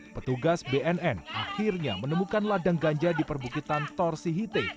petugas bnn akhirnya menemukan ladang ganja di perbukitan torsihite